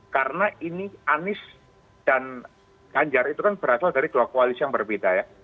karena ini anies dan ganjar itu kan berasal dari dua koalisi yang berbeda ya